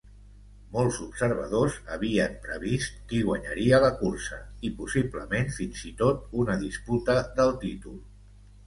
Molts observadors havien previst qui guanyaria la cursa i possiblement fins i tot una disputa del títol.